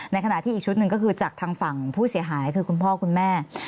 ขณะที่อีกชุดหนึ่งก็คือจากทางฝั่งผู้เสียหายคือคุณพ่อคุณแม่